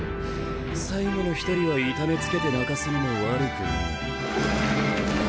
最後の１人は痛めつけて泣かすのも悪くねえ。